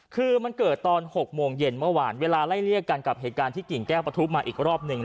คือมันเกิดตอน๖โมงเย็นเมื่อวานเวลาไล่เลี่ยกันกับเหตุการณ์ที่กิ่งแก้วประทุมาอีกรอบหนึ่ง